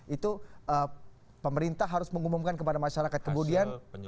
itu pemerintah harus mengumumkan kepada masyarakat kemudian